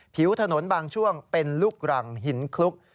ผิวถนนบางช่วงเป็นลูกรังหินคลุก